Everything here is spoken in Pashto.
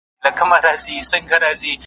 تاريخ د راتلونکي نسل لپاره لارښود دی.